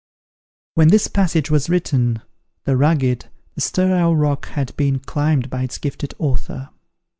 When this passage was written, the rugged, and sterile rock had been climbed by its gifted author.